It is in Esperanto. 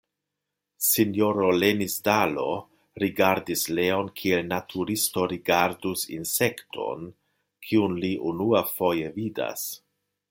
Sinjoro Lenisdalo rigardis Leon kiel naturisto rigardus insekton, kiun li unuafoje vidas.